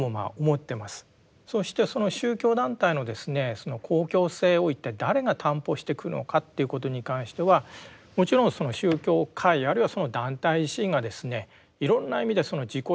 その公共性を一体誰が担保していくのかということに関してはもちろんその宗教界あるいはその団体自身がですねいろんな意味で自己批判的にですね